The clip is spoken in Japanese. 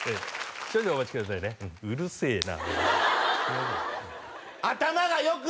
少々お待ちくださいねうるせえな頭がよく